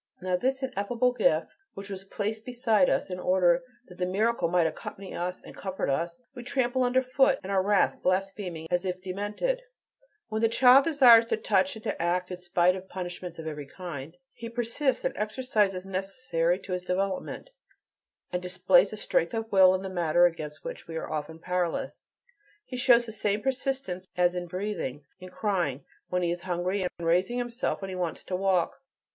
Now this ineffable gift which was placed beside us, in order that the miracle might accompany us and comfort us, we trample under foot in our wrath, blaspheming as if demented. When the child desires to touch and to act, in spite of "punishments of every kind," he persists in exercises necessary "to his development," and displays a strength of will in the matter against which we are often powerless; he shows the same persistence as in breathing, in crying when he is hungry, and in raising himself when he wants to walk.